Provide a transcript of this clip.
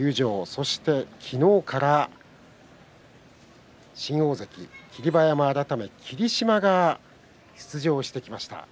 そして昨日から新大関霧馬山改め霧島が出場してきました。